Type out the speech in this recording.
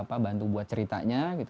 kita coba bantu buat ceritanya gitu